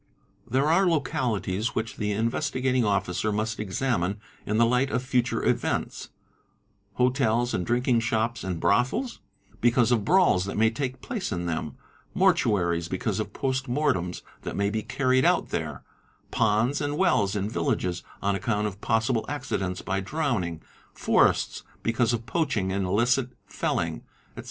There are localities which the Investigating Officer must examine in the light of future events—hotels and drinking shops and brothels, because f brawls that may take place in them, mortuaries because of post mortems hat may be carried out there, ponds and wells in villages on account of ssible accidents by drowning, forests because of poaching and illicit lling, etc.